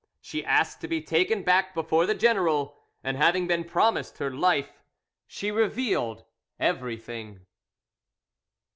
She asked to be taken back before the general, and having been promised her life, she revealed everything.